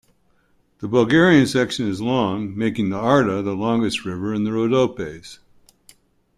The Bulgarian section is long, making the Arda the longest river in the Rhodopes.